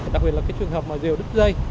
đặc biệt là cái trường hợp mà diều đứt dây